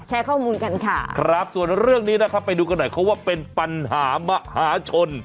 แชร์ข้อมูลกันค่ะครับส่วนเรื่องนี้นะครับไปดูกันหน่อยเขาว่าเป็นปัญหามหาชน